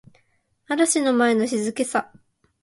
嵐の前の静けさ